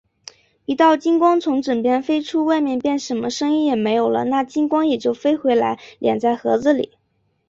一道金光从枕边飞出，外面便什么声音也没有了，那金光也就飞回来，敛在盒子里。